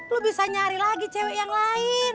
lo bisa nyari lagi cewek yang lain